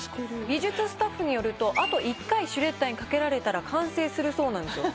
美術スタッフによるとあと１回シュレッダーにかけられたら完成するそうなんですよ。